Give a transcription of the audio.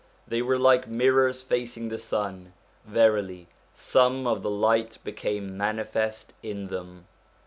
They were like mirrors facing the sun ; verily, some of the light became manifest in them.